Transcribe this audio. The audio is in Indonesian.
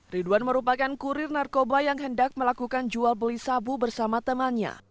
ridwan merupakan kurir narkoba yang hendak melakukan jual beli sabu bersama temannya